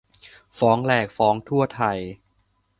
ฟ้องแหลกฟ้องทั่วไทย